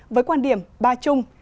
với quan điểm ba chung